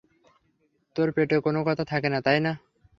তোর পেটে কোনো কথা থাকে না, তাই না?